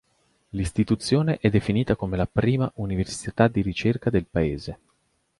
L'istituzione è definita come la prima "università di ricerca" del paese.